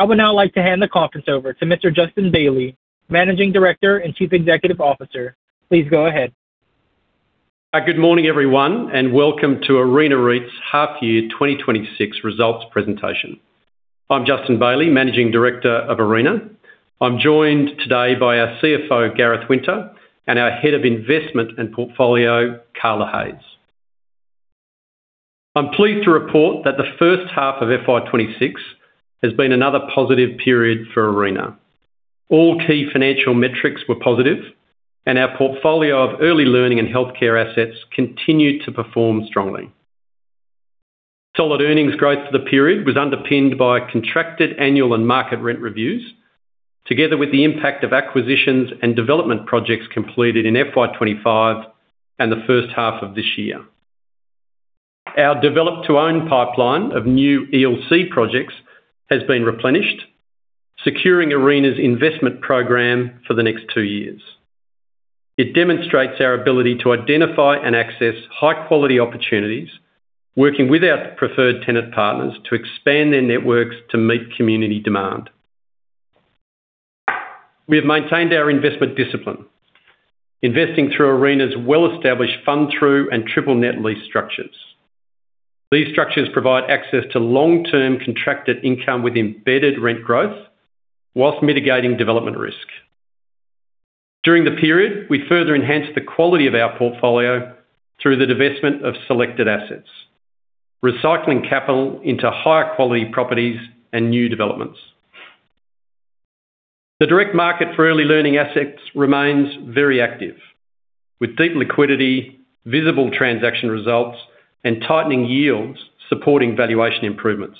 I would now like to hand the conference over to Mr. Justin Bailey, Managing Director and Chief Executive Officer. Please go ahead. Good morning, everyone, and welcome to Arena REIT's Half Year 2026 Results Presentation. I'm Justin Bailey, Managing Director of Arena. I'm joined today by our CFO, Gareth Winter, and our Head of Investment and Portfolio, Carla Hayes. I'm pleased to report that the first half of FY26 has been another positive period for Arena. All key financial metrics were positive, and our portfolio of early learning and healthcare assets continued to perform strongly. Solid earnings growth for the period was underpinned by contracted annual and market rent reviews, together with the impact of acquisitions and development projects completed in FY25 and the first half of this year. Our develop-to-own pipeline of new ELC projects has been replenished, securing Arena's investment program for the next two years. It demonstrates our ability to identify and access high-quality opportunities, working with our preferred tenant partners to expand their networks to meet community demand. We have maintained our investment discipline, investing through Arena's well-established fund-through and triple-net lease structures. These structures provide access to long-term contracted income with embedded rent growth while mitigating development risk. During the period, we further enhanced the quality of our portfolio through the divestment of selected assets, recycling capital into higher-quality properties and new developments. The direct market for early learning assets remains very active, with deep liquidity, visible transaction results, and tightening yields supporting valuation improvements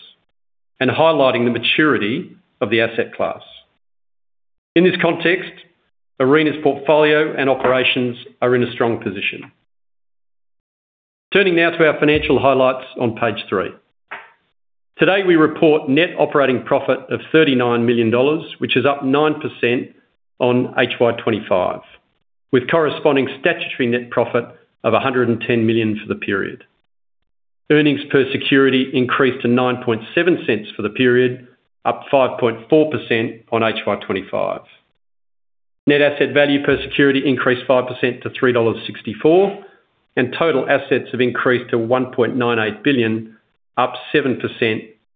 and highlighting the maturity of the asset class. In this context, Arena's portfolio and operations are in a strong position. Turning now to our financial highlights on page 3. Today, we report net operating profit of 39 million dollars, which is up 9% on HY25, with corresponding statutory net profit of AUD 110 million for the period. Earnings per security increased to 0.097 for the period, up 5.4% on HY25. Net asset value per security increased 5% to 3.64 dollars, and total assets have increased to 1.98 billion, up 7%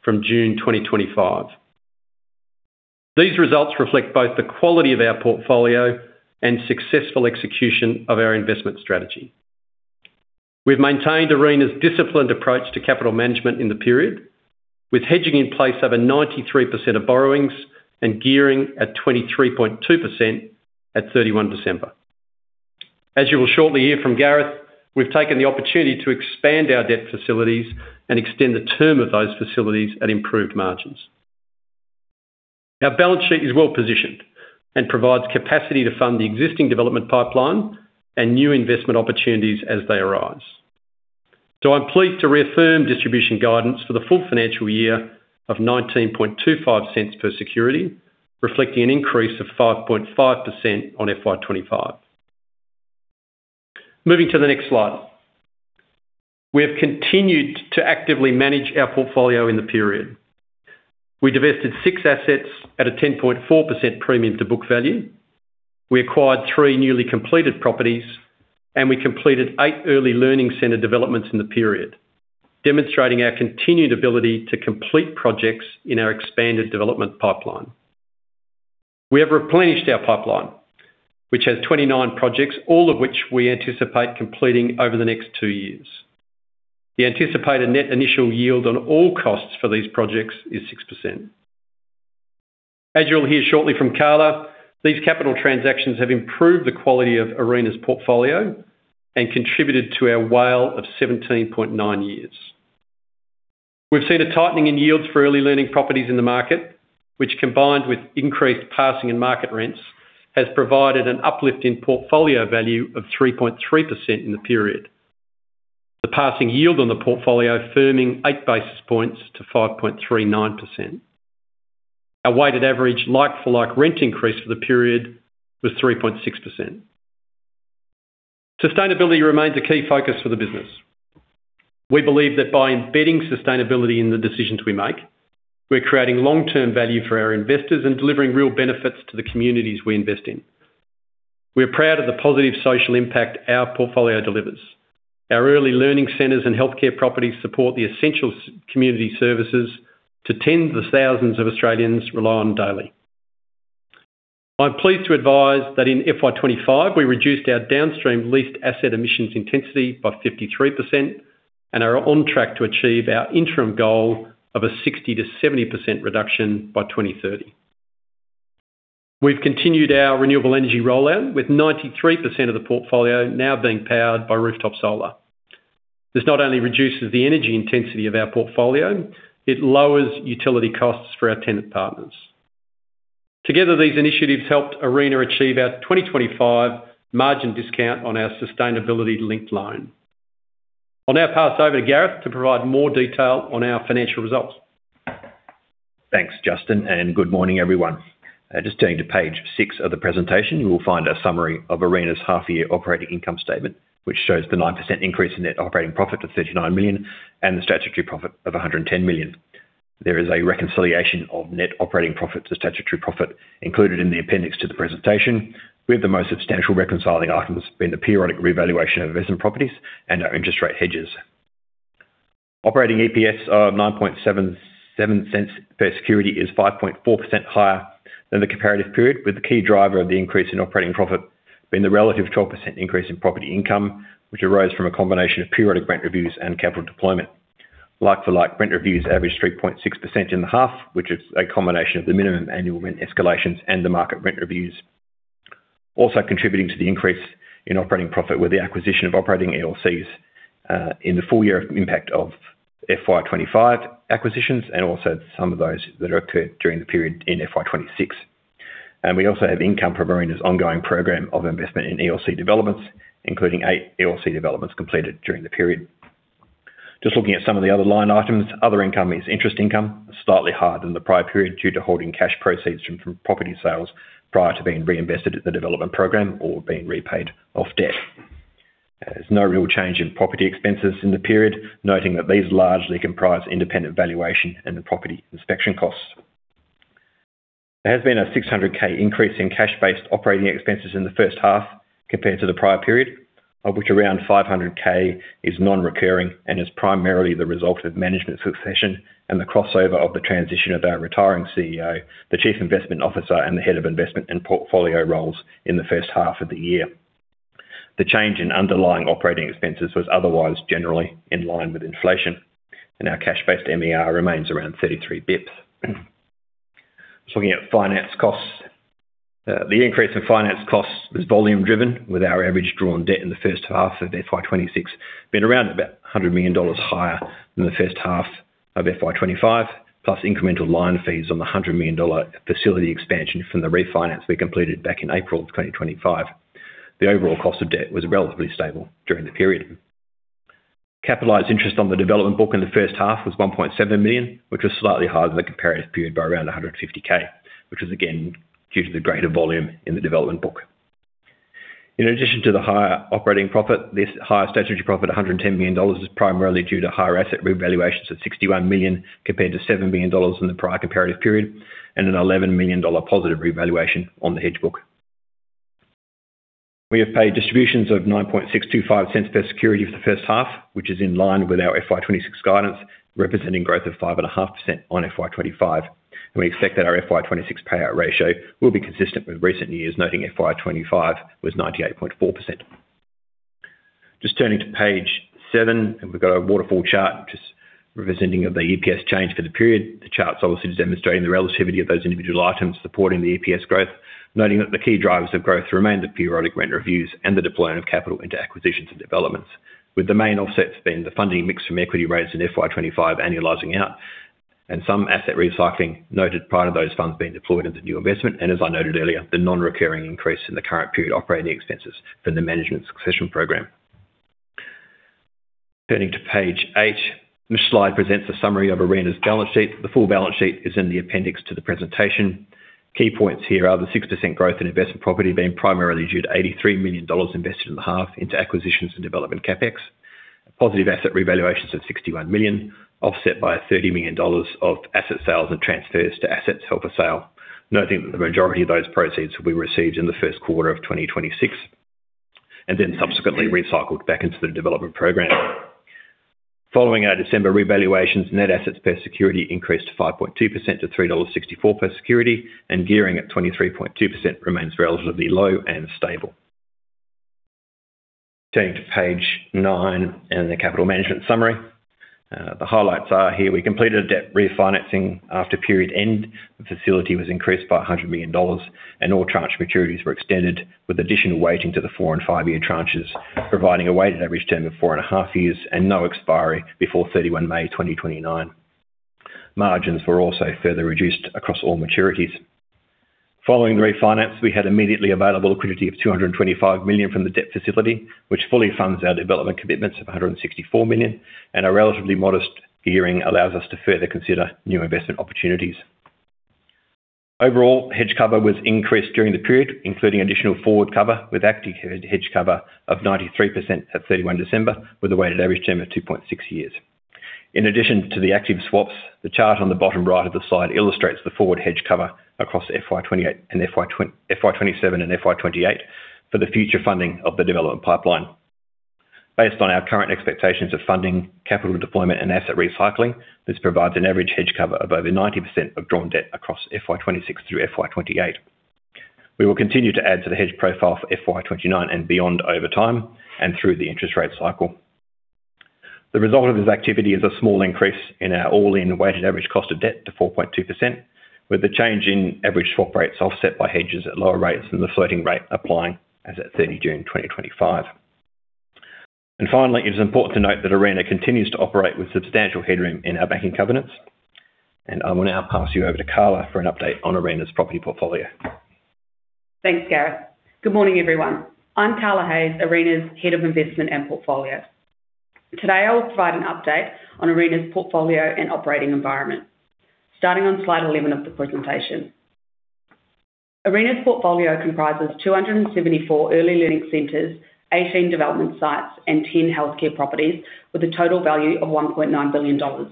from June 2025. These results reflect both the quality of our portfolio and successful execution of our investment strategy. We have maintained Arena's disciplined approach to capital management in the period, with hedging in place over 93% of borrowings and gearing at 23.2% at 31 December. As you will shortly hear from Gareth, we've taken the opportunity to expand our debt facilities and extend the term of those facilities at improved margins. Our balance sheet is well-positioned and provides capacity to fund the existing development pipeline and new investment opportunities as they arise. So I'm pleased to reaffirm distribution guidance for the full financial year of 0.1925 per security, reflecting an increase of 5.5% on FY 2025. Moving to the next slide. We have continued to actively manage our portfolio in the period. We divested 6 assets at a 10.4% premium to book value. We acquired 3 newly completed properties, and we completed 8 early learning centre developments in the period, demonstrating our continued ability to complete projects in our expanded development pipeline. We have replenished our pipeline, which has 29 projects, all of which we anticipate completing over the next 2 years. The anticipated net initial yield on all costs for these projects is 6%. As you will hear shortly from Carla, these capital transactions have improved the quality of Arena's portfolio and contributed to our WALE of 17.9 years. We've seen a tightening in yields for early learning properties in the market, which, combined with increased passing and market rents, has provided an uplift in portfolio value of 3.3% in the period, the passing yield on the portfolio firming eight basis points to 5.39%. Our weighted average like-for-like rent increase for the period was 3.6%. Sustainability remains a key focus for the business. We believe that by embedding sustainability in the decisions we make, we're creating long-term value for our investors and delivering real benefits to the communities we invest in. We're proud of the positive social impact our portfolio delivers. Our early learning centres and healthcare properties support the essential community services to tens of thousands of Australians rely on daily. I'm pleased to advise that in FY25, we reduced our downstream leased asset emissions intensity by 53% and are on track to achieve our interim goal of a 60%-70% reduction by 2030. We've continued our renewable energy rollout, with 93% of the portfolio now being powered by rooftop solar. This not only reduces the energy intensity of our portfolio, it lowers utility costs for our tenant partners. Together, these initiatives helped Arena achieve our 2025 margin discount on our sustainability-linked loan. I'll now pass over to Gareth to provide more detail on our financial results. Thanks, Justin, and good morning, everyone. Just turning to page 6 of the presentation, you will find a summary of Arena's Half Year Operating Income Statement, which shows the 9% increase in net operating profit of 39 million and the statutory profit of 110 million. There is a reconciliation of net operating profit to statutory profit included in the appendix to the presentation, with the most substantial reconciling items being the periodic revaluation of investment properties and our interest rate hedges. Operating EPS of 0.097 per security is 5.4% higher than the comparative period, with the key driver of the increase in operating profit being the relative 12% increase in property income, which arose from a combination of periodic rent reviews and capital deployment. Like-for-like rent reviews average 3.6% in the half, which is a combination of the minimum annual rent escalations and the market rent reviews, also contributing to the increase in operating profit with the acquisition of operating ELCs in the full year of impact of FY25 acquisitions and also some of those that occurred during the period in FY26. We also have income from Arena's ongoing program of investment in ELC developments, including eight ELC developments completed during the period. Just looking at some of the other line items, other income is interest income, slightly higher than the prior period due to holding cash proceeds from property sales prior to being reinvested at the development program or being repaid off debt. There's no real change in property expenses in the period, noting that these largely comprise independent valuation and property inspection costs. There has been an 600,000 increase in cash-based operating expenses in the first half compared to the prior period, of which around 500,000 is non-recurring and is primarily the result of management succession and the crossover of the transition of our retiring CEO, the Chief Investment Officer, and the Head of Investment and Portfolio roles in the first half of the year. The change in underlying operating expenses was otherwise generally in line with inflation, and our cash-based MER remains around 33 bps. Just looking at finance costs. The increase in finance costs was volume-driven, with our average drawn debt in the first half of FY26 being around about 100 million dollars higher than the first half of FY25, plus incremental line fees on the 100 million dollar facility expansion from the refinance we completed back in April of 2025. The overall cost of debt was relatively stable during the period. Capitalised interest on the development book in the first half was 1.7 million, which was slightly higher than the comparative period by around 150,000, which was again due to the greater volume in the development book. In addition to the higher operating profit, this higher statutory profit of 110 million dollars is primarily due to higher asset revaluations of 61 million compared to 7 million dollars in the prior comparative period and an 11 million dollar positive revaluation on the hedge book. We have paid distributions of 0.09625 per security for the first half, which is in line with our FY26 guidance, representing growth of 5.5% on FY25. We expect that our FY26 payout ratio will be consistent with recent years, noting FY25 was 98.4%. Just turning to page 7, and we've got a waterfall chart just representing the EPS change for the period. The chart's obviously demonstrating the relativity of those individual items supporting the EPS growth, noting that the key drivers of growth remain the periodic rent reviews and the deployment of capital into acquisitions and developments, with the main offsets being the funding mix from equity rates in FY25 annualising out and some asset recycling, noted prior to those funds being deployed into new investment. As I noted earlier, the non-recurring increase in the current period operating expenses from the management succession program. Turning to page 8, this slide presents a summary of Arena's balance sheet. The full balance sheet is in the appendix to the presentation. Key points here are the 6% growth in investment property being primarily due to 83 million dollars invested in the half into acquisitions and development CapEx, positive asset revaluations of 61 million, offset by 30 million dollars of asset sales and transfers to assets held for sale, noting that the majority of those proceeds will be received in the first quarter of 2026 and then subsequently recycled back into the development program. Following our December revaluations, net assets per security increased 5.2% to 3.64 dollars per security, and gearing at 23.2% remains relatively low and stable. Turning to page 9 and the capital management summary. The highlights are here, we completed a debt refinancing after period end. The facility was increased by 100 million dollars, and all tranche maturities were extended, with additional weighting to the 4- and 5-year tranches, providing a weighted average term of 4.5 years and no expiry before 31 May 2029. Margins were also further reduced across all maturities. Following the refinance, we had immediately available liquidity of 225 million from the debt facility, which fully funds our development commitments of 164 million, and our relatively modest gearing allows us to further consider new investment opportunities. Overall, hedge cover was increased during the period, including additional forward cover with active hedge cover of 93% at 31 December, with a weighted average term of 2.6 years. In addition to the active swaps, the chart on the bottom right of the slide illustrates the forward hedge cover across FY27 and FY28 for the future funding of the development pipeline. Based on our current expectations of funding, capital deployment, and asset recycling, this provides an average hedge cover of over 90% of drawn debt across FY26 through FY28. We will continue to add to the hedge profile for FY29 and beyond over time and through the interest rate cycle. The result of this activity is a small increase in our all-in weighted average cost of debt to 4.2%, with the change in average swap rates offset by hedges at lower rates than the floating rate applying as of 30 June 2025. Finally, it is important to note that Arena continues to operate with substantial headroom in our banking covenants. I will now pass you over to Carla for an update on Arena's property portfolio. Thanks, Gareth. Good morning, everyone. I'm Carla Hayes, Arena's Head of Investment and Portfolio. Today, I will provide an update on Arena's portfolio and operating environment, starting on slide 11 of the presentation. Arena's portfolio comprises 274 early learning centres, 18 development sites, and 10 healthcare properties, with a total value of 1.9 billion dollars.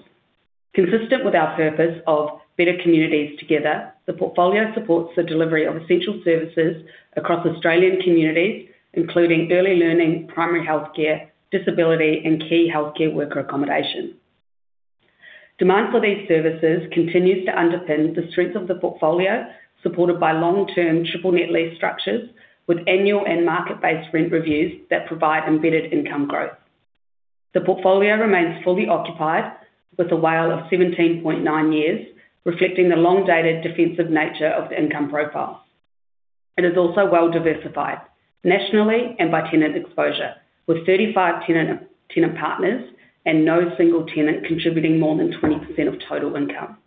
Consistent with our purpose of better communities together, the portfolio supports the delivery of essential services across Australian communities, including early learning, primary healthcare, disability, and key healthcare worker accommodation. Demand for these services continues to underpin the strengths of the portfolio, supported by long-term triple-net lease structures with annual and market-based rent reviews that provide embedded income growth. The portfolio remains fully occupied, with a WALE of 17.9 years, reflecting the long-dated defensive nature of the income profile. It is also well-diversified nationally and by tenant exposure, with 35 tenant partners and no single tenant contributing more than 20% of total income.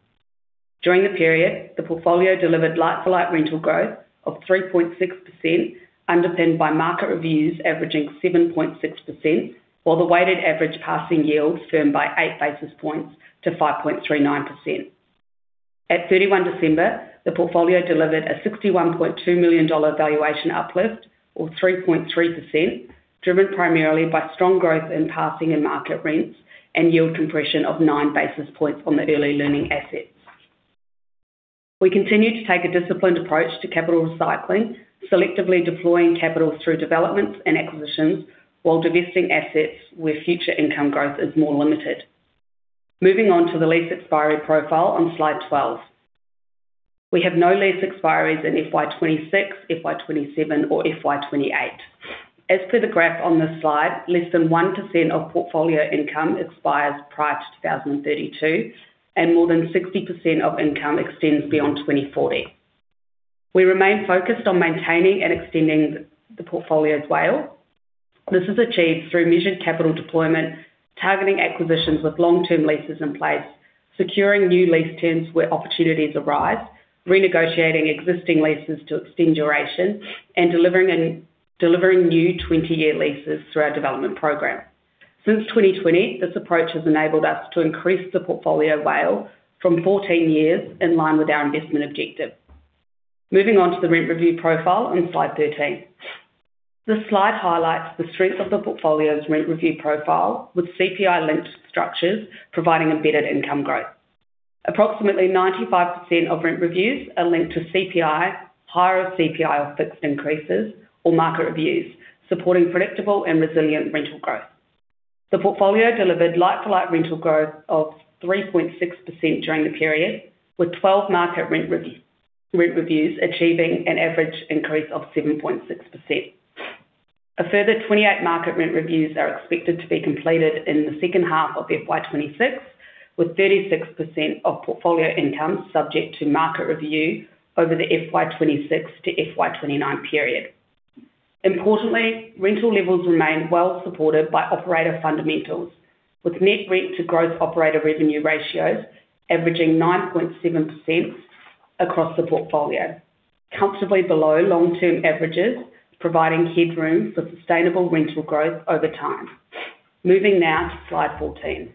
During the period, the portfolio delivered like-for-like rental growth of 3.6%, underpinned by market reviews averaging 7.6%, while the weighted average passing yield firmed by 8 basis points to 5.39%. At 31 December, the portfolio delivered a 61.2 million dollar valuation uplift, or 3.3%, driven primarily by strong growth in passing and market rents and yield compression of 9 basis points on the early learning assets. We continue to take a disciplined approach to capital recycling, selectively deploying capital through developments and acquisitions while divesting assets where future income growth is more limited. Moving on to the lease expiry profile on slide 12. We have no lease expiries in FY26, FY27, or FY28. As per the graph on this slide, less than 1% of portfolio income expires prior to 2032, and more than 60% of income extends beyond 2040. We remain focused on maintaining and extending the portfolio's WALE. This is achieved through measured capital deployment, targeting acquisitions with long-term leases in place, securing new lease terms where opportunities arise, renegotiating existing leases to extend duration, and delivering new 20-year leases through our development program. Since 2020, this approach has enabled us to increase the portfolio WALE from 14 years in line with our investment objective. Moving on to the rent review profile on slide 13. This slide highlights the strength of the portfolio's rent review profile, with CPI-linked structures providing embedded income growth. Approximately 95% of rent reviews are linked to CPI, higher CPI or fixed increases, or market reviews, supporting predictable and resilient rental growth. The portfolio delivered like-for-like rental growth of 3.6% during the period, with 12 market rent reviews achieving an average increase of 7.6%. A further 28 market rent reviews are expected to be completed in the second half of FY26, with 36% of portfolio income subject to market review over the FY26 to FY29 period. Importantly, rental levels remain well-supported by operator fundamentals, with net rent-to-growth operator revenue ratios averaging 9.7% across the portfolio, comfortably below long-term averages, providing headroom for sustainable rental growth over time. Moving now to slide 14.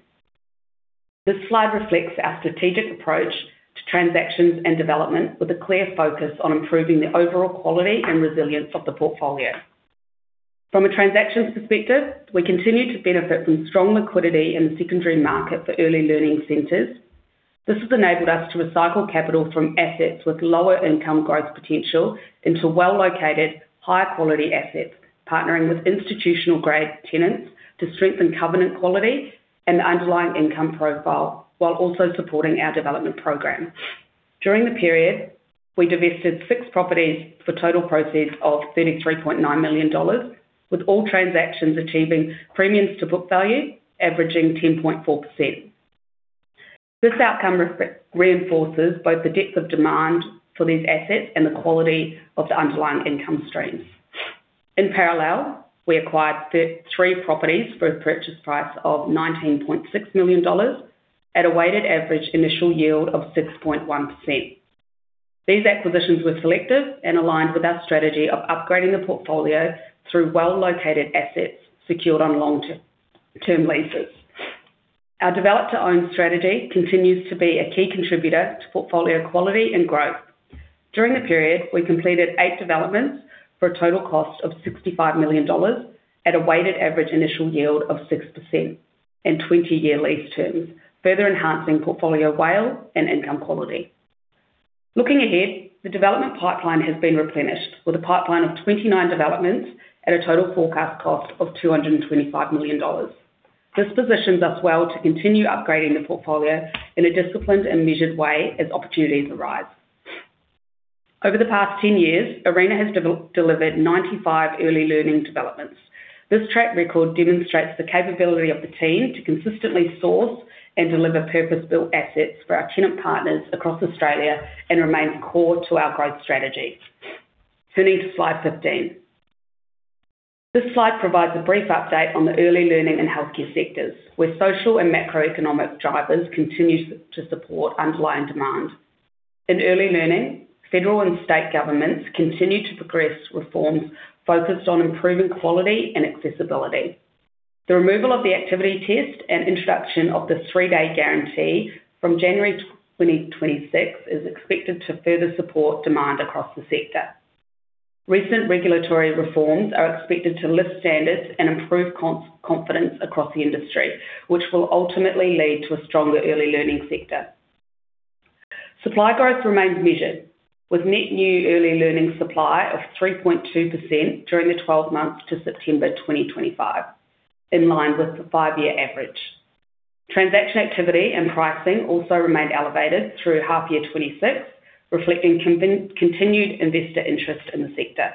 This slide reflects our strategic approach to transactions and development, with a clear focus on improving the overall quality and resilience of the portfolio. From a transactions perspective, we continue to benefit from strong liquidity in the secondary market for early learning centres. This has enabled us to recycle capital from assets with lower income growth potential into well-located, higher-quality assets, partnering with institutional-grade tenants to strengthen covenant quality and the underlying income profile while also supporting our development program. During the period, we divested six properties for total proceeds of 33.9 million dollars, with all transactions achieving premiums-to-book value averaging 10.4%. This outcome reinforces both the depth of demand for these assets and the quality of the underlying income streams. In parallel, we acquired three properties for a purchase price of 19.6 million dollars at a weighted average initial yield of 6.1%. These acquisitions were selective and aligned with our strategy of upgrading the portfolio through well-located assets secured on long-term leases. Our develop-to-own strategy continues to be a key contributor to portfolio quality and growth. During the period, we completed eight developments for a total cost of 65 million dollars at a weighted average initial yield of 6% and 20-year lease terms, further enhancing portfolio WALE and income quality. Looking ahead, the development pipeline has been replenished with a pipeline of 29 developments at a total forecast cost of 225 million dollars. This positions us well to continue upgrading the portfolio in a disciplined and measured way as opportunities arise. Over the past 10 years, Arena has delivered 95 early learning developments. This track record demonstrates the capability of the team to consistently source and deliver purpose-built assets for our tenant partners across Australia and remains core to our growth strategy. Turning to slide 15. This slide provides a brief update on the early learning and healthcare sectors, where social and macroeconomic drivers continue to support underlying demand. In early learning, federal and state governments continue to progress reforms focused on improving quality and accessibility. The removal of the activity test and introduction of the three-day guarantee from January 2026 is expected to further support demand across the sector. Recent regulatory reforms are expected to lift standards and improve confidence across the industry, which will ultimately lead to a stronger early learning sector. Supply growth remains measured, with net new early learning supply of 3.2% during the 12 months to September 2025, in line with the five-year average. Transaction activity and pricing also remained elevated through half-year 2026, reflecting continued investor interest in the sector.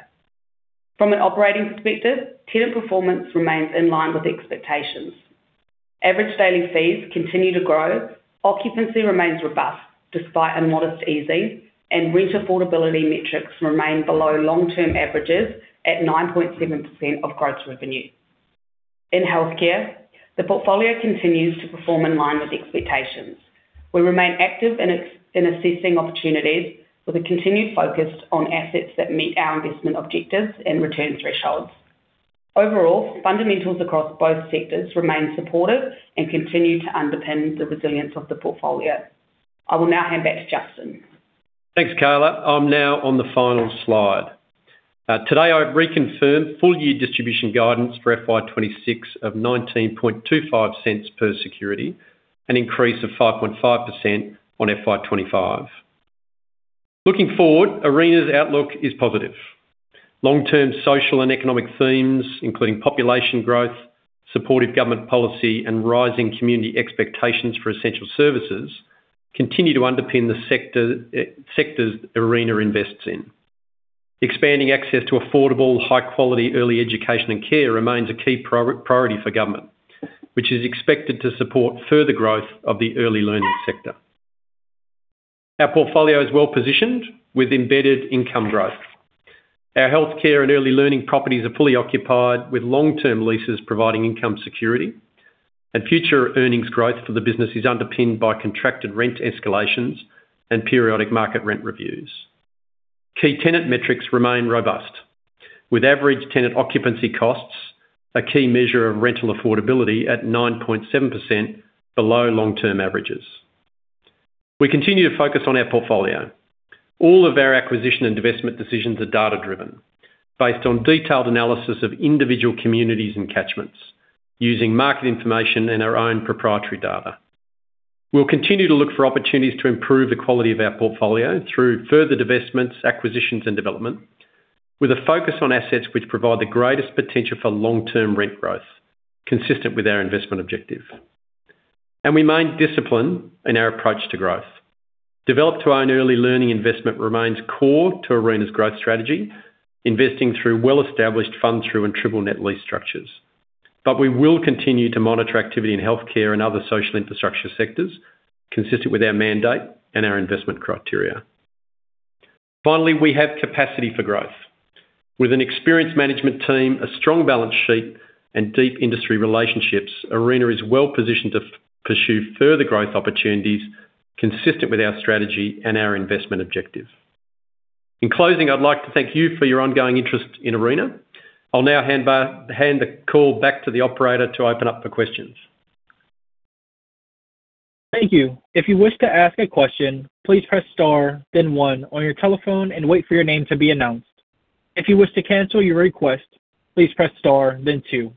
From an operating perspective, tenant performance remains in line with expectations. Average daily fees continue to grow, occupancy remains robust despite a modest easing, and rent affordability metrics remain below long-term averages at 9.7% of growth revenue. In healthcare, the portfolio continues to perform in line with expectations. We remain active in assessing opportunities, with a continued focus on assets that meet our investment objectives and return thresholds. Overall, fundamentals across both sectors remain supportive and continue to underpin the resilience of the portfolio. I will now hand back to Justin. Thanks, Carla. I'm now on the final slide. Today, I've reconfirmed full-year distribution guidance for FY26 of 0.1925 per security, an increase of 5.5% on FY25. Looking forward, Arena's outlook is positive. Long-term social and economic themes, including population growth, supportive government policy, and rising community expectations for essential services continue to underpin the sectors Arena invests in. Expanding access to affordable, high-quality early education and care remains a key priority for government, which is expected to support further growth of the early learning sector. Our portfolio is well-positioned with embedded income growth. Our healthcare and early learning properties are fully occupied, with long-term leases providing income security, and future earnings growth for the business is underpinned by contracted rent escalations and periodic market rent reviews. Key tenant metrics remain robust, with average tenant occupancy costs, a key measure of rental affordability, at 9.7% below long-term averages. We continue to focus on our portfolio. All of our acquisition and divestment decisions are data-driven, based on detailed analysis of individual communities and catchments, using market information and our own proprietary data. We'll continue to look for opportunities to improve the quality of our portfolio through further divestments, acquisitions, and development, with a focus on assets which provide the greatest potential for long-term rent growth, consistent with our investment objective. We maintain discipline in our approach to growth. Develop-to-own early learning investment remains core to Arena's growth strategy, investing through well-established fund-through and triple-net lease structures. We will continue to monitor activity in healthcare and other social infrastructure sectors, consistent with our mandate and our investment criteria. Finally, we have capacity for growth. With an experienced management team, a strong balance sheet, and deep industry relationships, Arena is well-positioned to pursue further growth opportunities, consistent with our strategy and our investment objective. In closing, I'd like to thank you for your ongoing interest in Arena. I'll now hand the call back to the operator to open up for questions. Thank you. If you wish to ask a question, please press star, then one, on your telephone and wait for your name to be announced. If you wish to cancel your request, please press star, then two.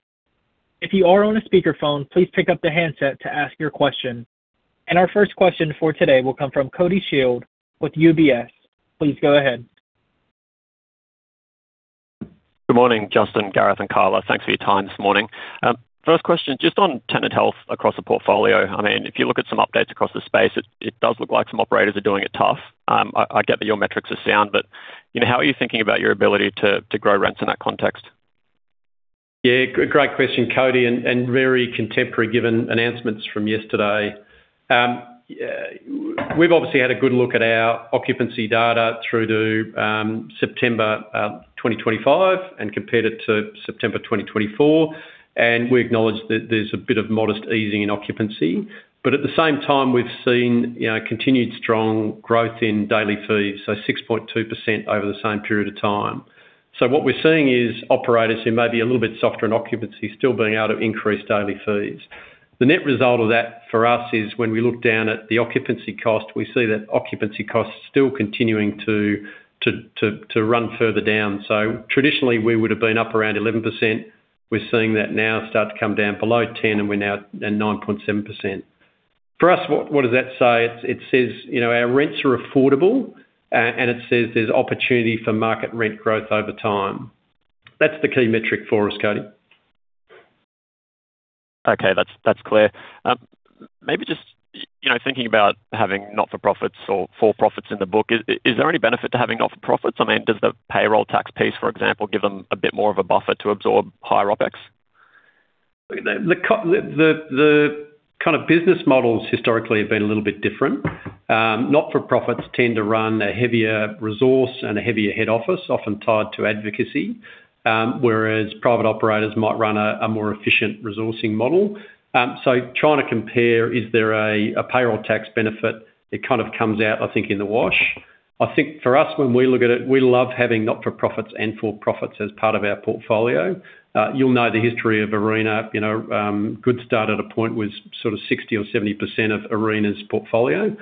If you are on a speakerphone, please pick up the handset to ask your question. Our first question for today will come from Cody Shield with UBS. Please go ahead. Good morning, Justin, Gareth, and Carla. Thanks for your time this morning. First question, just on tenant health across the portfolio. I mean, if you look at some updates across the space, it does look like some operators are doing it tough. I get that your metrics are sound, but how are you thinking about your ability to grow rents in that context? Yeah, great question, Cody, and very contemporary given announcements from yesterday. We've obviously had a good look at our occupancy data through to September 2025 and compared it to September 2024, and we acknowledge that there's a bit of modest easing in occupancy. But at the same time, we've seen continued strong growth in daily fees, so 6.2% over the same period of time. So what we're seeing is operators who may be a little bit softer in occupancy still being able to increase daily fees. The net result of that for us is when we look down at the occupancy cost, we see that occupancy cost is still continuing to run further down. So traditionally, we would have been up around 11%. We're seeing that now start to come down below 10, and we're now at 9.7%. For us, what does that say? It says our rents are affordable, and it says there's opportunity for market rent growth over time. That's the key metric for us, Cody. Okay, that's clear. Maybe just thinking about having not-for-profits or for-profits in the book, is there any benefit to having not-for-profits? I mean, does the payroll tax piece, for example, give them a bit more of a buffer to absorb higher OpEx? The kind of business models historically have been a little bit different. Not-for-profits tend to run a heavier resource and a heavier head office, often tied to advocacy, whereas private operators might run a more efficient resourcing model. So trying to compare, is there a payroll tax benefit, it kind of comes out, I think, in the wash. I think for us, when we look at it, we love having not-for-profits and for-profits as part of our portfolio. You'll know the history of Arena. Goodstart at a point was sort of 60% or 70% of Arena's portfolio.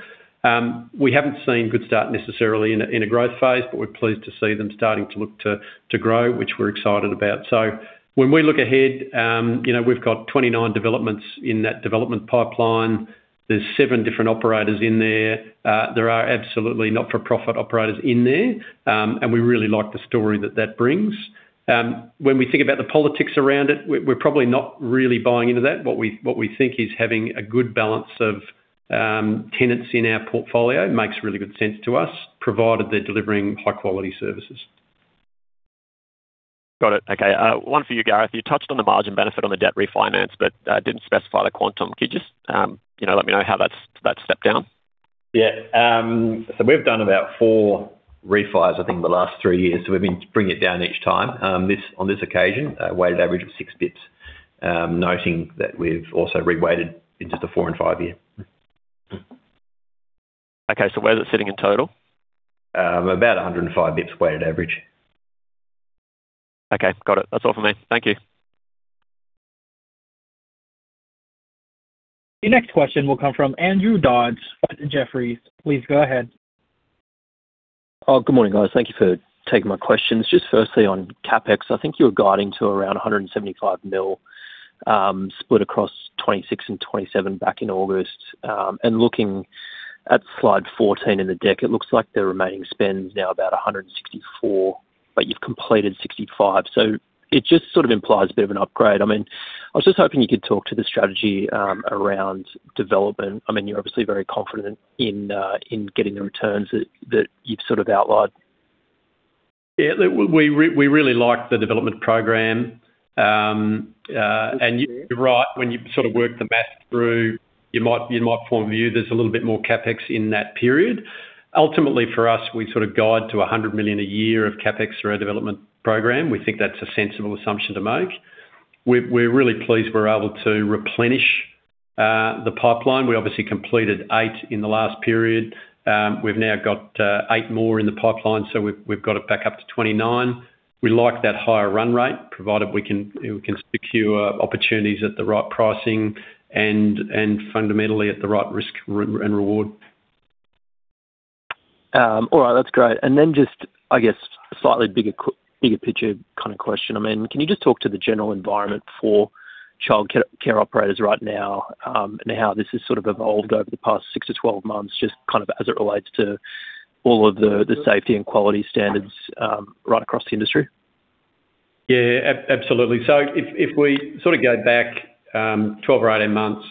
We haven't seen Goodstart necessarily in a growth phase, but we're pleased to see them starting to look to grow, which we're excited about. So when we look ahead, we've got 29 developments in that development pipeline. There's seven different operators in there. There are absolutely not-for-profit operators in there, and we really like the story that that brings. When we think about the politics around it, we're probably not really buying into that. What we think is having a good balance of tenants in our portfolio makes really good sense to us, provided they're delivering high-quality services. Got it. Okay, one for you, Gareth. You touched on the margin benefit on the debt refinance, but didn't specify the quantum. Could you just let me know how that stepped down? Yeah. So we've done about 4 refis, I think, in the last 3 years. So we've been bringing it down each time on this occasion, a weighted average of 6 bps, noting that we've also reweighted into the 4- and 5-year. Okay, so where's it sitting in total? About 105 bps, weighted average. Okay, got it. That's all from me. Thank you. Your next question will come from Andrew Dodds at Jefferies. Please go ahead. Good morning, guys. Thank you for taking my questions. Just firstly, on CapEx, I think you were guiding to around 175 million split across 2026 and 2027 back in August. Looking at slide 14 in the deck, it looks like the remaining spend's now about 164 million, but you've completed 65 million. So it just sort of implies a bit of an upgrade. I mean, I was just hoping you could talk to the strategy around development. I mean, you're obviously very confident in getting the returns that you've sort of outlined. Yeah, we really like the development program. You're right. When you sort of work the math through, you might form a view there's a little bit more CapEx in that period. Ultimately, for us, we sort of guide to 100 million a year of CapEx through our development program. We think that's a sensible assumption to make. We're really pleased we're able to replenish the pipeline. We obviously completed 8 in the last period. We've now got 8 more in the pipeline, so we've got it back up to 29. We like that higher run rate, provided we can secure opportunities at the right pricing and fundamentally at the right risk and reward. All right, that's great. Then just, I guess, slightly bigger picture kind of question. I mean, can you just talk to the general environment for childcare operators right now and how this has sort of evolved over the past 6-12 months, just kind of as it relates to all of the safety and quality standards right across the industry? Yeah, absolutely. So if we sort of go back 12 or 18 months,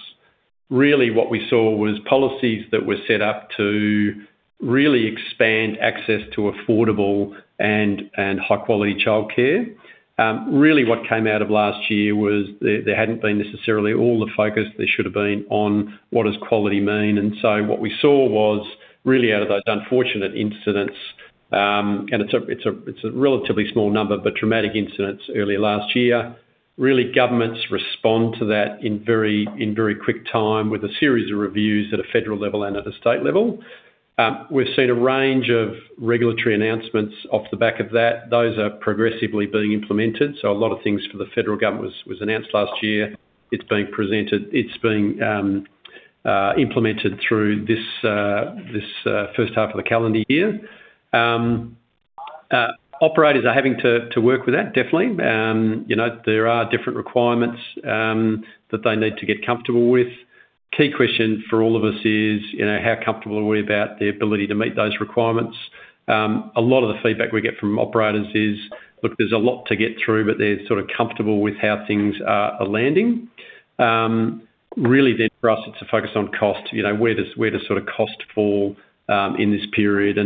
really what we saw was policies that were set up to really expand access to affordable and high-quality childcare. Really, what came out of last year was there hadn't been necessarily all the focus there should have been on what does quality mean. And so what we saw was, really out of those unfortunate incidents - and it's a relatively small number, but dramatic incidents earlier last year - really governments respond to that in very quick time with a series of reviews at a federal level and at a state level. We've seen a range of regulatory announcements off the back of that. Those are progressively being implemented. So a lot of things for the federal government was announced last year. It's being implemented through this first half of the calendar year. Operators are having to work with that, definitely. There are different requirements that they need to get comfortable with. Key question for all of us is, how comfortable are we about the ability to meet those requirements? A lot of the feedback we get from operators is, "Look, there's a lot to get through, but they're sort of comfortable with how things are landing." Really, then for us, it's a focus on cost. Where does sort of cost fall in this period?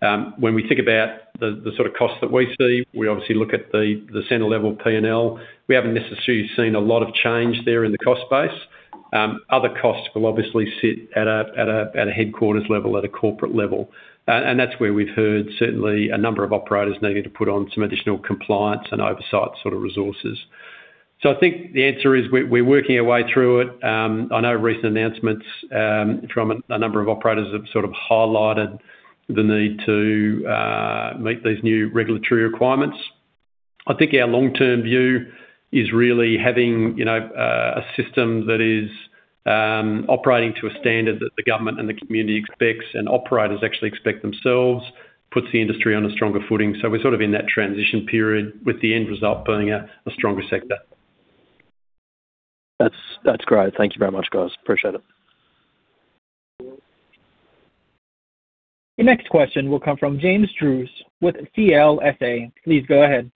When we think about the sort of costs that we see, we obviously look at the centre-level P&L. We haven't necessarily seen a lot of change there in the cost base. Other costs will obviously sit at a headquarters level, at a corporate level. That's where we've heard, certainly, a number of operators needing to put on some additional compliance and oversight sort of resources. So I think the answer is we're working our way through it. I know recent announcements from a number of operators have sort of highlighted the need to meet these new regulatory requirements. I think our long-term view is really having a system that is operating to a standard that the government and the community expects and operators actually expect themselves, puts the industry on a stronger footing. So we're sort of in that transition period with the end result being a stronger sector. That's great. Thank you very much, guys. Appreciate it. Your next question will come from James Druce with CLSA. Please go ahead.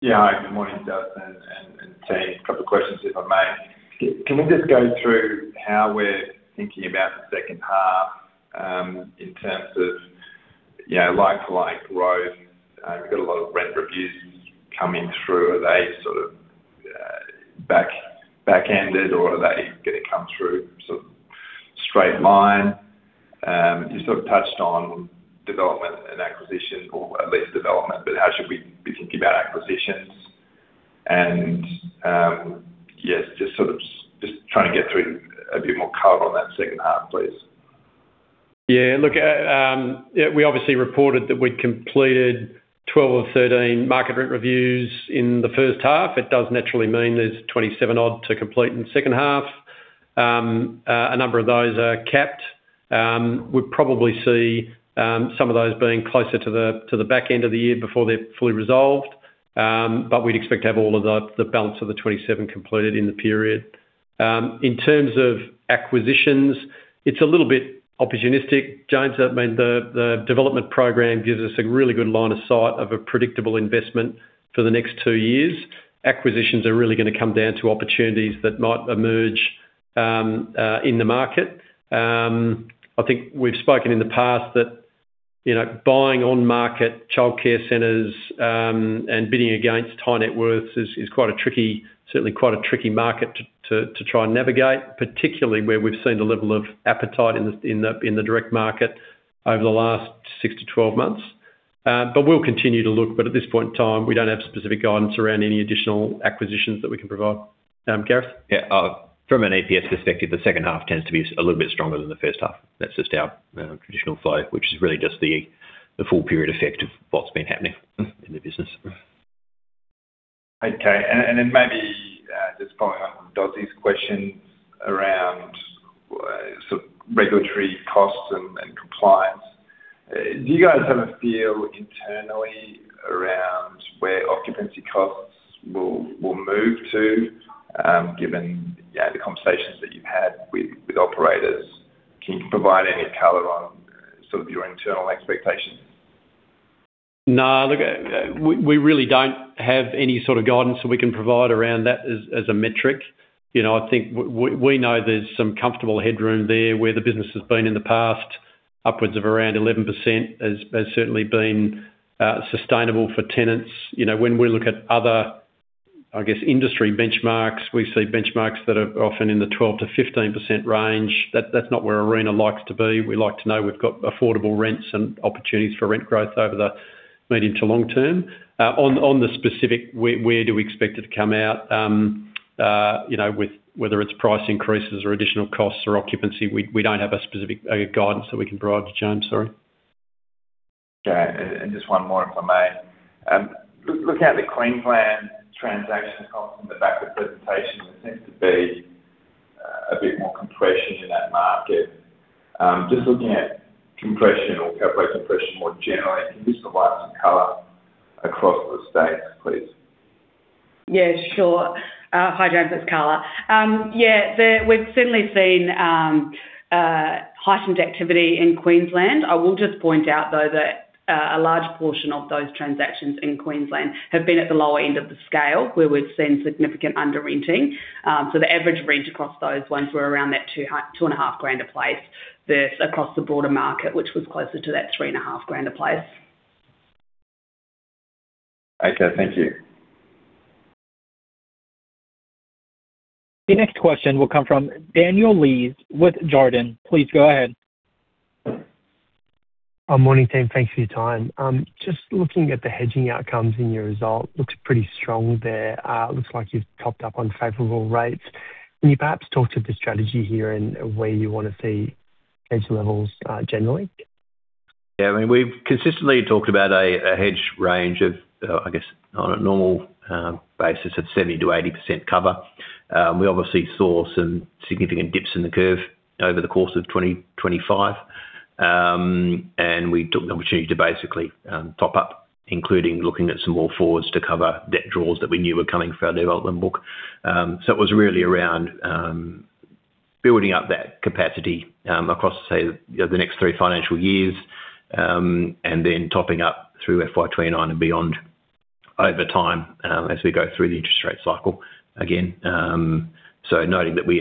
Yeah, hi. Good morning, Justin. And same, a couple of questions, if I may. Can we just go through how we're thinking about the second half in terms of like-for-like growth? We've got a lot of rent reviews coming through. Are they sort of back-ended, or are they going to come through sort of straight line? You sort of touched on development and acquisition, or at least development, but how should we be thinking about acquisitions? And yes, just sort of just trying to get through a bit more color on that second half, please. Yeah, look, we obviously reported that we'd completed 12 of 13 market rent reviews in the first half. It does naturally mean there's 27-odd to complete in the second half. A number of those are capped. We'd probably see some of those being closer to the back end of the year before they're fully resolved, but we'd expect to have all of the balance of the 27 completed in the period. In terms of acquisitions, it's a little bit opportunistic, James. I mean, the development programme gives us a really good line of sight of a predictable investment for the next two years. Acquisitions are really going to come down to opportunities that might emerge in the market. I think we've spoken in the past that buying on-market childcare centres and bidding against high net worths is quite a tricky market to try and navigate, particularly where we've seen the level of appetite in the direct market over the last 6-12 months. But we'll continue to look. But at this point in time, we don't have specific guidance around any additional acquisitions that we can provide. Gareth? Yeah, from an EPS perspective, the second half tends to be a little bit stronger than the first half. That's just our traditional flow, which is really just the full period effect of what's been happening in the business. Okay, and then maybe just following up on Dodds's questions around sort of regulatory costs and compliance, do you guys have a feel internally around where occupancy costs will move to, given the conversations that you've had with operators? Can you provide any color on sort of your internal expectations? No, look, we really don't have any sort of guidance that we can provide around that as a metric. I think we know there's some comfortable headroom there where the business has been in the past, upwards of around 11%, has certainly been sustainable for tenants. When we look at other, I guess, industry benchmarks, we see benchmarks that are often in the 12%-15% range. That's not where Arena likes to be. We like to know we've got affordable rents and opportunities for rent growth over the medium to long term. On the specific, where do we expect it to come out, whether it's price increases or additional costs or occupancy, we don't have a specific guidance that we can provide to James. Sorry. Okay, and just one more, if I may. Looking at the Queensland transaction costs in the back of the presentation, there seems to be a bit more compression in that market. Just looking at compression or cap rate compression more generally, can you just provide some color across the states, please? Yeah, sure. Hi, James. It's Carla. Yeah, we've certainly seen heightened activity in Queensland. I will just point out, though, that a large portion of those transactions in Queensland have been at the lower end of the scale, where we've seen significant under-renting. So the average rent across those ones were around that 2,500 a place versus across the broader market, which was closer to that 3,500 a place. Okay, thank you. Your next question will come from Daniel Lees with Jarden. Please go ahead. Good morning, Team. Thanks for your time. Just looking at the hedging outcomes in your result, it looks pretty strong there. It looks like you've topped up on favorable rates. Can you perhaps talk to the strategy here and where you want to see hedge levels generally? Yeah, I mean, we've consistently talked about a hedge range of, I guess, on a normal basis, a 70%-80% cover. We obviously saw some significant dips in the curve over the course of 2025, and we took the opportunity to basically top up, including looking at some more fours to cover debt draws that we knew were coming from our development book. So it was really around building up that capacity across, say, the next three financial years and then topping up through FY29 and beyond over time as we go through the interest rate cycle again. So noting that we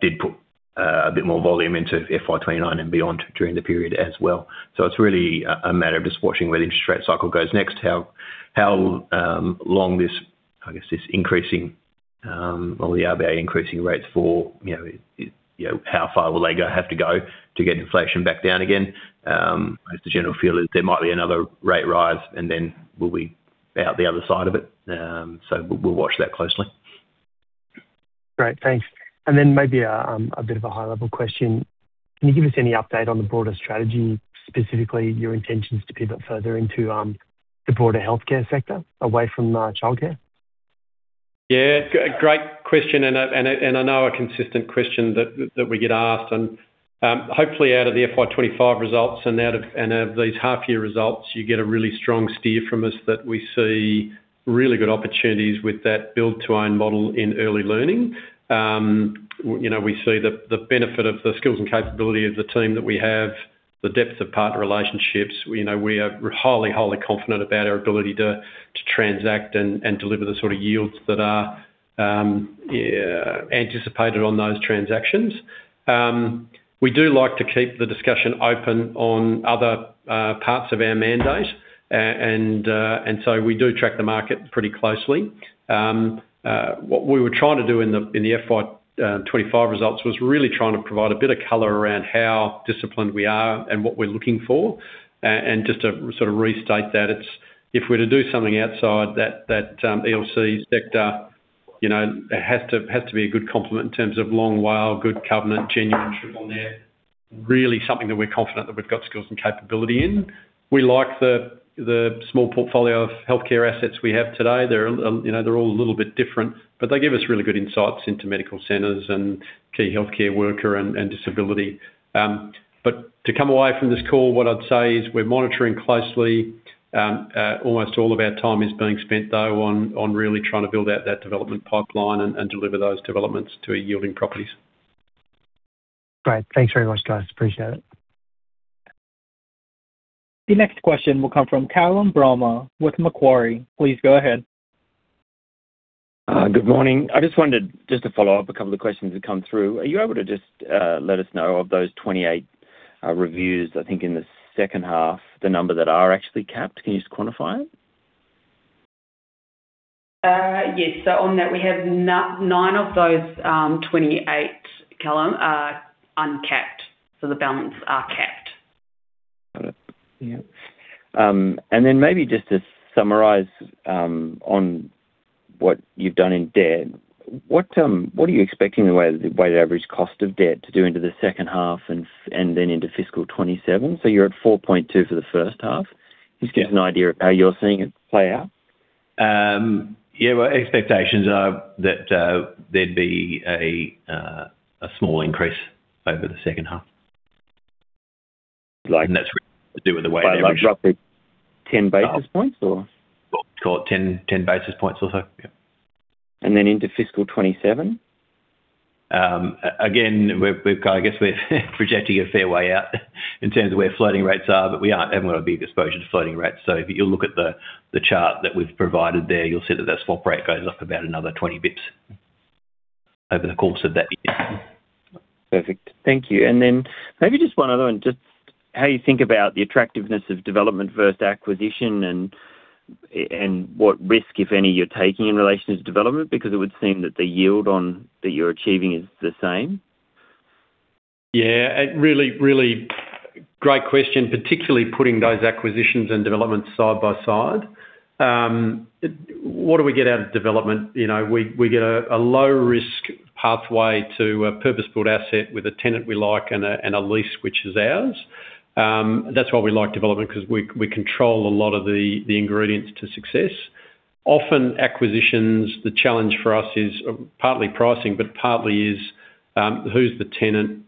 did put a bit more volume into FY29 and beyond during the period as well. So it's really a matter of just watching where the interest rate cycle goes next, how long this, I guess, this increasing, the RBA increasing rates for how far will they have to go to get inflation back down again. As the general feel is, there might be another rate rise, and then we'll be out the other side of it. So we'll watch that closely. Great, thanks. Then maybe a bit of a high-level question. Can you give us any update on the broader strategy, specifically your intentions to pivot further into the broader healthcare sector away from childcare? Yeah, great question, and I know a consistent question that we get asked. And hopefully, out of the FY25 results and out of these half-year results, you get a really strong steer from us that we see really good opportunities with that build-to-own model in early learning. We see the benefit of the skills and capability of the team that we have, the depth of partner relationships. We are highly, highly confident about our ability to transact and deliver the sort of yields that are anticipated on those transactions. We do like to keep the discussion open on other parts of our mandate, and so we do track the market pretty closely. What we were trying to do in the FY25 results was really trying to provide a bit of color around how disciplined we are and what we're looking for. And just to sort of restate that, if we're to do something outside, that ELC sector has to be a good complement in terms of long WALE, good covenant, genuine triple net, really something that we're confident that we've got skills and capability in. We like the small portfolio of healthcare assets we have today. They're all a little bit different, but they give us really good insights into medical centres and key healthcare worker and disability. But to come away from this call, what I'd say is we're monitoring closely. Almost all of our time is being spent, though, on really trying to build out that development pipeline and deliver those developments to yielding properties. Great. Thanks very much, guys. Appreciate it. Your next question will come from Callum Bramah with Macquarie. Please go ahead. Good morning. I just wanted just to follow up a couple of questions that come through. Are you able to just let us know, of those 28 reviews, I think in the second half, the number that are actually capped? Can you just quantify it? Yes. So on that, we have nine of those 28, Callum, uncapped. So the balance are capped. Got it. Yeah. And then maybe just to summarize on what you've done in debt, what are you expecting the weighted average cost of debt to do into the second half and then into fiscal 2027? So you're at 4.2 for the first half. Just give us an idea of how you're seeing it play out. Yeah, well, expectations are that there'd be a small increase over the second half. And that's related to doing the weighted average. Like roughly 10 basis points, or? 10 basis points or so. Yeah. And then into fiscal 2027? Again, I guess we're projecting a fair way out in terms of where floating rates are, but we haven't got a big exposure to floating rates. So if you'll look at the chart that we've provided there, you'll see that the swap rate goes up about another 20 basis points over the course of that year. Perfect. Thank you. And then maybe just one other one, just how you think about the attractiveness of development versus acquisition and what risk, if any, you're taking in relation to development, because it would seem that the yield that you're achieving is the same? Yeah, really, really great question, particularly putting those acquisitions and developments side by side. What do we get out of development? We get a low-risk pathway to a purpose-built asset with a tenant we like and a lease which is ours. That's why we like development, because we control a lot of the ingredients to success. Often, acquisitions, the challenge for us is partly pricing, but partly is who's the tenant,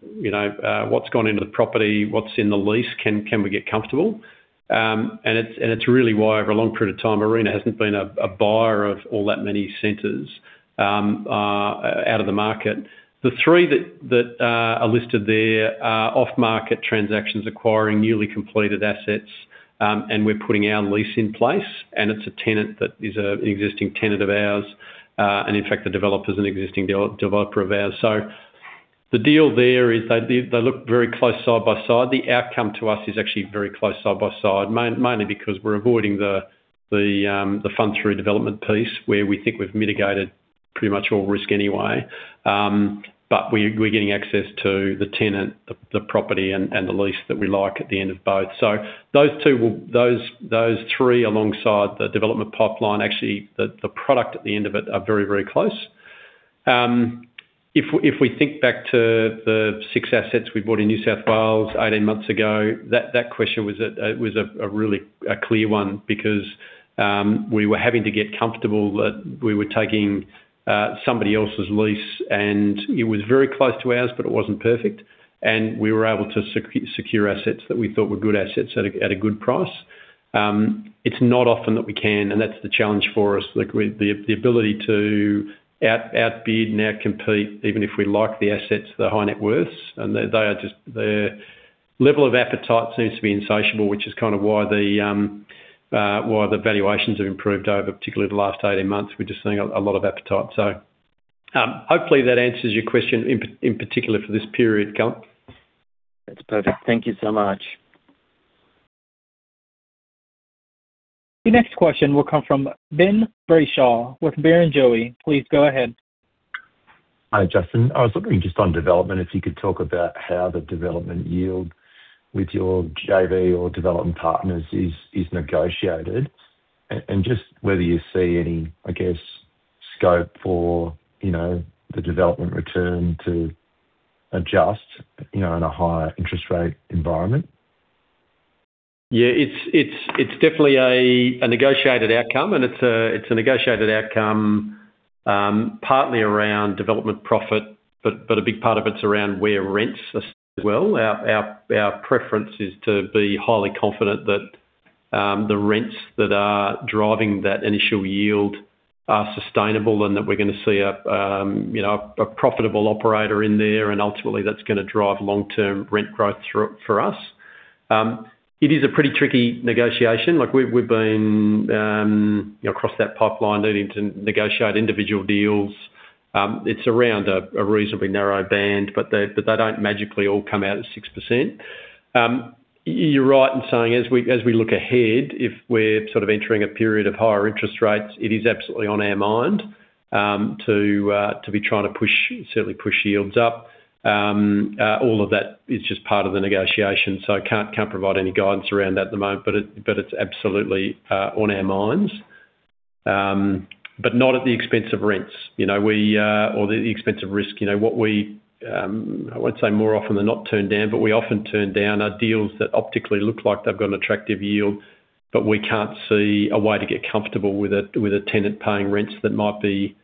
what's gone into the property, what's in the lease, can we get comfortable? And it's really why, over a long period of time, Arena hasn't been a buyer of all that many centres out of the market. The three that are listed there are off-market transactions, acquiring newly completed assets, and we're putting our lease in place, and it's a tenant that is an existing tenant of ours. And in fact, the developer's an existing developer of ours. So the deal there is they look very close side by side. The outcome to us is actually very close side by side, mainly because we're avoiding the fund-through development piece, where we think we've mitigated pretty much all risk anyway. But we're getting access to the tenant, the property, and the lease that we like at the end of both. So those three, alongside the development pipeline, actually, the product at the end of it are very, very close. If we think back to the six assets we bought in New South Wales 18 months ago, that question was a really clear one, because we were having to get comfortable that we were taking somebody else's lease, and it was very close to ours, but it wasn't perfect. And we were able to secure assets that we thought were good assets at a good price. It's not often that we can, and that's the challenge for us, the ability to outbid and outcompete, even if we like the assets, the high net worths. And their level of appetite seems to be insatiable, which is kind of why the valuations have improved over, particularly the last 18 months. We're just seeing a lot of appetite. So hopefully, that answers your question, in particular for this period, Callum. That's perfect. Thank you so much. Your next question will come from Ben Brayshaw with Barrenjoey. Please go ahead. Hi, Justin. I was wondering just on development, if you could talk about how the development yield with your JV or development partners is negotiated, and just whether you see any, I guess, scope for the development return to adjust in a higher interest rate environment? Yeah, it's definitely a negotiated outcome, and it's a negotiated outcome partly around development profit, but a big part of it's around where rents as well. Our preference is to be highly confident that the rents that are driving that initial yield are sustainable and that we're going to see a profitable operator in there, and ultimately, that's going to drive long-term rent growth for us. It is a pretty tricky negotiation. We've been across that pipeline needing to negotiate individual deals. It's around a reasonably narrow band, but they don't magically all come out at 6%. You're right in saying, as we look ahead, if we're sort of entering a period of higher interest rates, it is absolutely on our mind to be trying to certainly push yields up. All of that is just part of the negotiation, so I can't provide any guidance around that at the moment, but it's absolutely on our minds, but not at the expense of rents or the expense of risk. What we, I won't say more often than not, turn down, but we often turn down are deals that optically look like they've got an attractive yield, but we can't see a way to get comfortable with a tenant paying rents that might be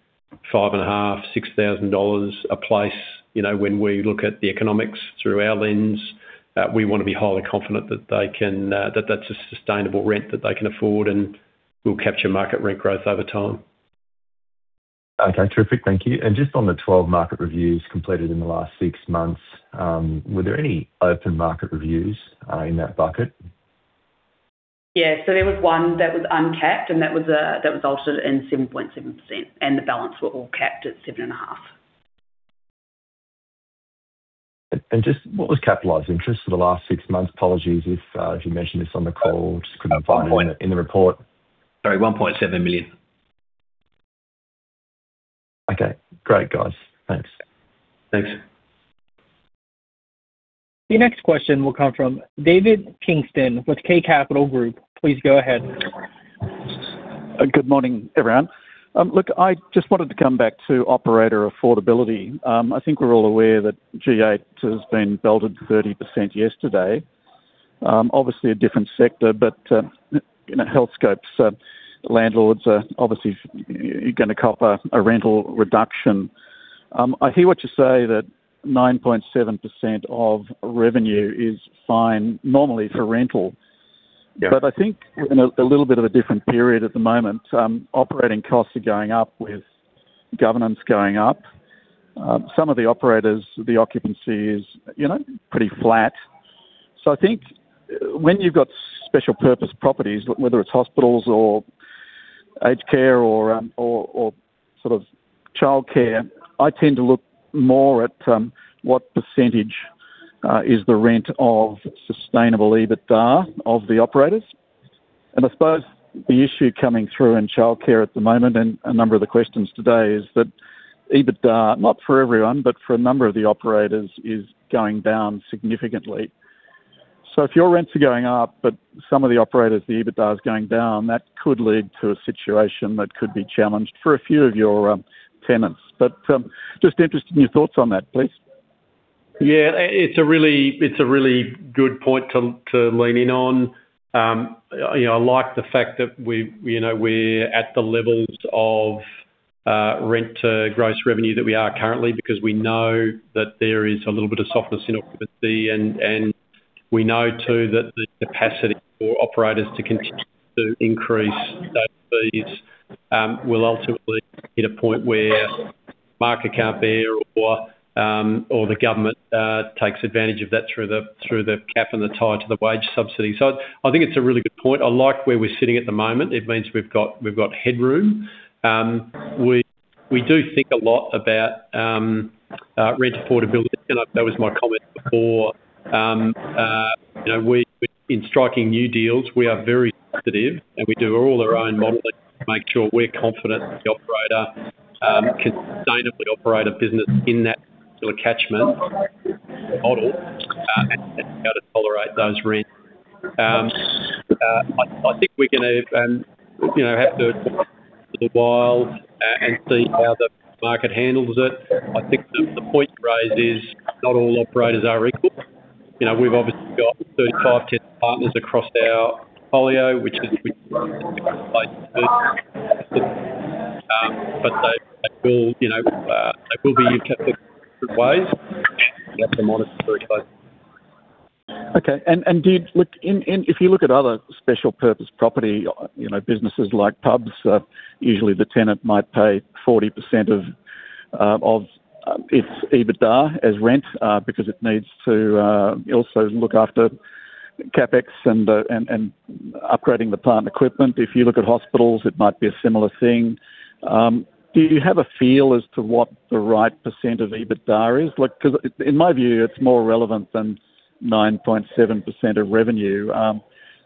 5.5 thousand-6 thousand dollars a place. When we look at the economics through our lens, we want to be highly confident that that's a sustainable rent that they can afford and will capture market rent growth over time. Okay, terrific. Thank you. Just on the 12 market reviews completed in the last six months, were there any open market reviews in that bucket? Yeah, so there was one that was uncapped, and that was altered in 7.7%, and the balance were all capped at 7.5%. Just what was capitalized interest for the last six months? Apologies if you mentioned this on the call. Just couldn't find it in the report. Sorry, 1.7 million. Okay, great, guys. Thanks. Thanks. Your next question will come from David Kingston with K Capital Group. Please go ahead. Good morning, everyone. Look, I just wanted to come back to operator affordability. I think we're all aware that G8 has been belted 30% yesterday. Obviously, a different sector, but Healthscope landlords, obviously, you're going to cop a rental reduction. I hear what you say, that 9.7% of revenue is fine normally for rental, but I think we're in a little bit of a different period at the moment. Operating costs are going up with governance going up. Some of the operators, the occupancy is pretty flat. So I think when you've got special-purpose properties, whether it's hospitals or aged care or sort of childcare, I tend to look more at what percentage is the rent of sustainable EBITDA of the operators. And I suppose the issue coming through in childcare at the moment and a number of the questions today is that EBITDA, not for everyone, but for a number of the operators, is going down significantly. So if your rents are going up, but some of the operators, the EBITDA is going down, that could lead to a situation that could be challenged for a few of your tenants. But just interested in your thoughts on that, please. Yeah, it's a really good point to lean in on. I like the fact that we're at the levels of rent-to-gross revenue that we are currently because we know that there is a little bit of softness in occupancy, and we know, too, that the capacity for operators to continue to increase those fees will ultimately hit a point where market can't bear or the government takes advantage of that through the cap and the tie to the wage subsidy. So I think it's a really good point. I like where we're sitting at the moment. It means we've got headroom. We do think a lot about rent affordability. That was my comment before. In striking new deals, we are very sensitive, and we do all our own modeling to make sure we're confident the operator can sustainably operate a business in that particular catchment model and be able to tolerate those rents. I think we're going to have to watch it for a while and see how the market handles it. I think the point you raise is not all operators are equal. We've obviously got 35 tenant partners across our portfolio, which is a different place to be, but they will be capped in different ways. You have to monitor very closely. Okay. And if you look at other special-purpose property businesses like pubs, usually the tenant might pay 40% of its EBITDA as rent because it needs to also look after CapEx and upgrading the plant equipment. If you look at hospitals, it might be a similar thing. Do you have a feel as to what the right percent of EBITDA is? Because in my view, it's more relevant than 9.7% of revenue.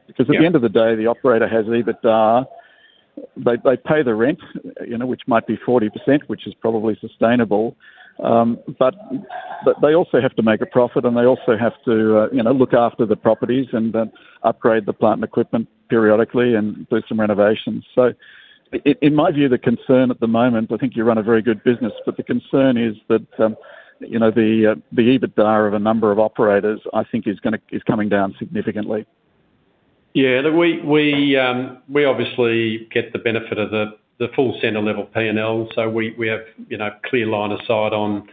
Because at the end of the day, the operator has EBITDA. They pay the rent, which might be 40%, which is probably sustainable, but they also have to make a profit, and they also have to look after the properties and upgrade the plant equipment periodically and do some renovations. So in my view, the concern at the moment, I think you run a very good business, but the concern is that the EBITDA of a number of operators, I think, is coming down significantly. Yeah, look, we obviously get the benefit of the full centre-level P&L. So we have a clear line of sight on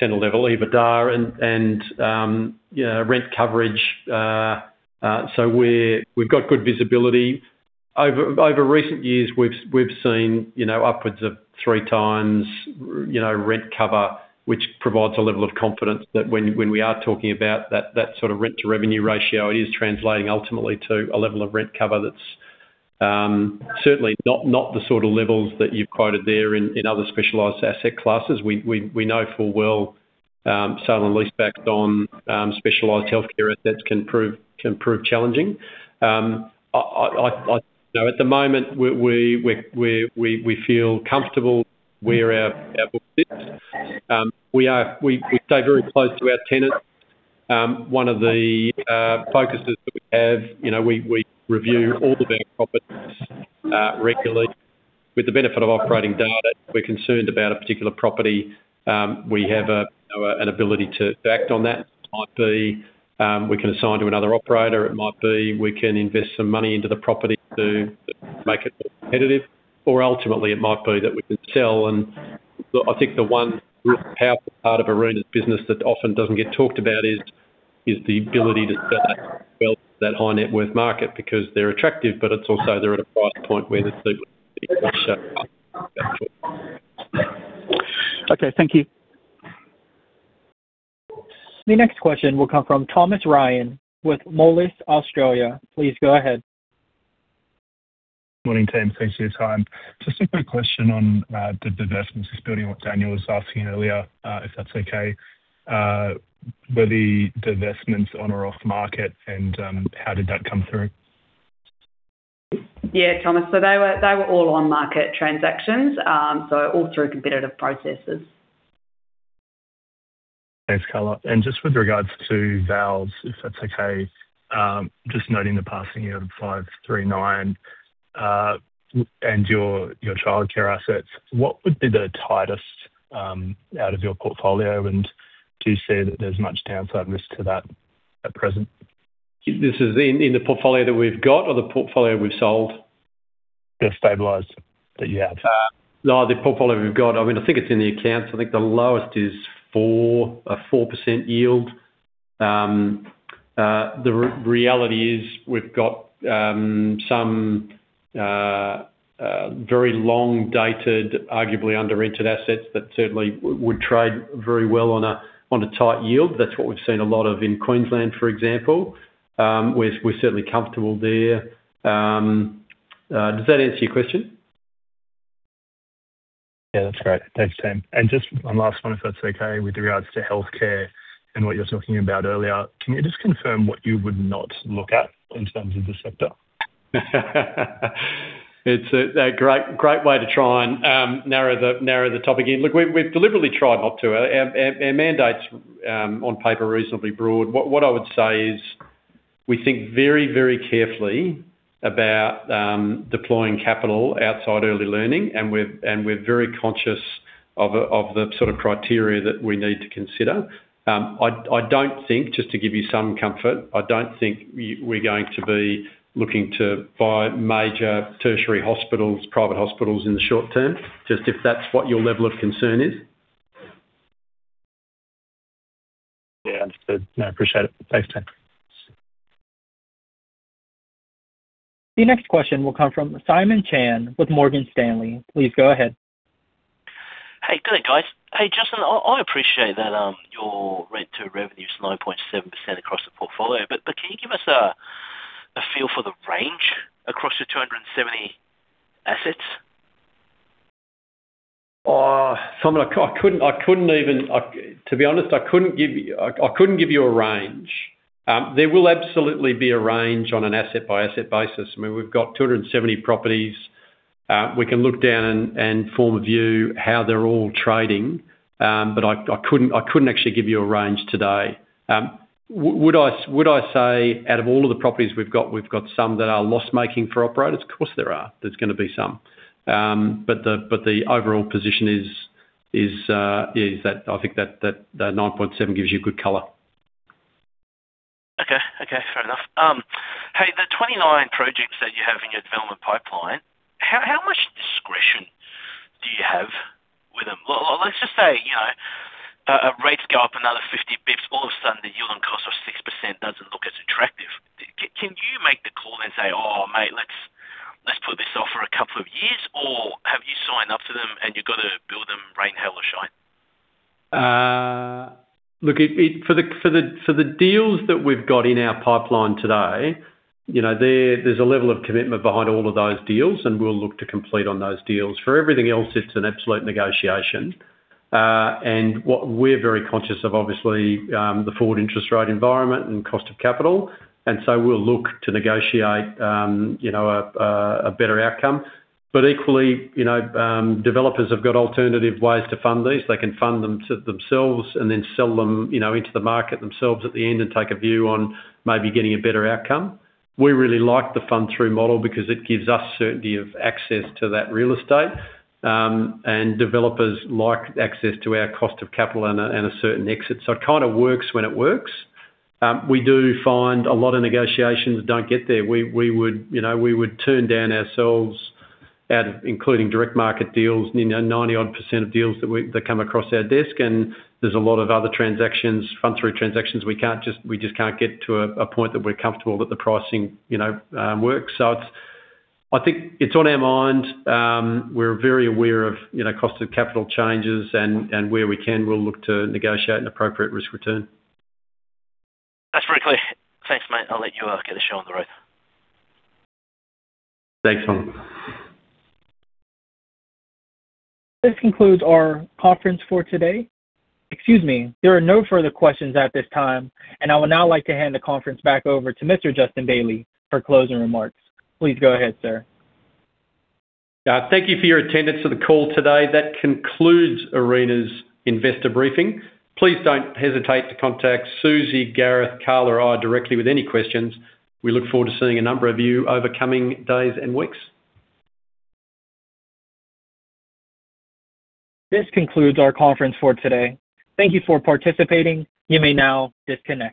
centre-level EBITDA and rent coverage. So we've got good visibility. Over recent years, we've seen upwards of 3 times rent cover, which provides a level of confidence that when we are talking about that sort of rent-to-revenue ratio, it is translating ultimately to a level of rent cover that's certainly not the sort of levels that you've quoted there in other specialized asset classes. We know full well sale and lease-backed-on specialized healthcare assets can prove challenging. At the moment, we feel comfortable where our book sits. We stay very close to our tenants. One of the focuses that we have, we review all of our properties regularly. With the benefit of operating data, if we're concerned about a particular property, we have an ability to act on that. It might be we can assign to another operator. It might be we can invest some money into the property to make it more competitive. Or ultimately, it might be that we can sell. And I think the one really powerful part of Arena's business that often doesn't get talked about is the ability to sell that high net worth market because they're attractive, but it's also they're at a price point where the people need to be shown up. Okay, thank you. Your next question will come from Thomas Ryan with Moelis Australia. Please go ahead. Morning, Tim. Thanks for your time. Just a quick question on the divestments this building that Daniel was asking earlier, if that's okay. Were the divestments on or off-market, and how did that come through? Yeah, Thomas. So they were all on-market transactions, so all through competitive processes. Thanks, Carla. Just with regards to yields, if that's okay, just noting the passing yield of 5.39% and your childcare assets, what would be the tightest yield of your portfolio? Do you see that there's much downside risk to that at present? This is in the portfolio that we've got or the portfolio we've sold? The stabilized that you have. No, the portfolio we've got. I mean, I think it's in the accounts. I think the lowest is a 4% yield. The reality is we've got some very long-dated, arguably under-rented assets that certainly would trade very well on a tight yield. That's what we've seen a lot of in Queensland, for example. We're certainly comfortable there. Does that answer your question? Yeah, that's great. Thanks, Tim. And just one last one, if that's okay, with regards to healthcare and what you were talking about earlier, can you just confirm what you would not look at in terms of the sector? It's a great way to try and narrow the topic in. Look, we've deliberately tried not to. Our mandate's on paper reasonably broad. What I would say is we think very, very carefully about deploying capital outside early learning, and we're very conscious of the sort of criteria that we need to consider. I don't think, just to give you some comfort, I don't think we're going to be looking to buy major tertiary hospitals, private hospitals in the short term, just if that's what your level of concern is. Yeah, understood. No, appreciate it. Thanks, Tim. Your next question will come from Simon Chan with Morgan Stanley. Please go ahead. Hey, good guys. Hey, Justin, I appreciate that your rent-to-revenue is 9.7% across the portfolio, but can you give us a feel for the range across your 270 assets? Simon, I couldn't even, to be honest, I couldn't give you a range. There will absolutely be a range on an asset-by-asset basis. I mean, we've got 270 properties. We can look down and form a view how they're all trading, but I couldn't actually give you a range today. Would I say out of all of the properties we've got, we've got some that are loss-making for operators? Of course, there are. There's going to be some. But the overall position is that I think that 9.7 gives you good color. Okay, okay, fair enough. Hey, the 29 projects that you have in your development pipeline, how much discretion do you have with them? Let's just say rates go up another 50 bps, all of a sudden the yield on costs are 6%, doesn't look as attractive. Can you make the call and say, "Oh, mate, let's put this off for a couple of years," or have you signed up for them and you've got to build them rain, hail, or shine? Look, for the deals that we've got in our pipeline today, there's a level of commitment behind all of those deals, and we'll look to complete on those deals. For everything else, it's an absolute negotiation. And what we're very conscious of, obviously, the forward interest rate environment and cost of capital, and so we'll look to negotiate a better outcome. But equally, developers have got alternative ways to fund these. They can fund them themselves and then sell them into the market themselves at the end and take a view on maybe getting a better outcome. We really like the fund-through model because it gives us certainty of access to that real estate, and developers like access to our cost of capital and a certain exit. So it kind of works when it works. We do find a lot of negotiations don't get there. We would turn down ourselves, including direct market deals, 90-odd% of deals that come across our desk, and there's a lot of other fund-through transactions we just can't get to a point that we're comfortable that the pricing works. So I think it's on our mind. We're very aware of cost-to-capital changes, and where we can, we'll look to negotiate an appropriate risk-return. That's very clear. Thanks, mate. I'll let you get a show on the road. Thanks, Simon. This concludes our conference for today. Excuse me. There are no further questions at this time, and I would now like to hand the conference back over to Mr. Justin Bailey for closing remarks. Please go ahead, sir. Thank you for your attendance to the call today. That concludes Arena's investor briefing. Please don't hesitate to contact Susie, Gareth, Carla, or I directly with any questions. We look forward to seeing a number of you over coming days and weeks. This concludes our conference for today. Thank you for participating. You may now disconnect.